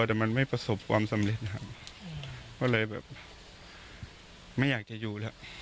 แต่มันไม่ประสบความสำเร็จนะครับก็เลยแบบไม่อยากจะอยู่แล้ว